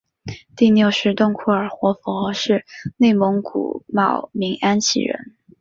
第六世洞阔尔活佛是内蒙古茂明安旗人。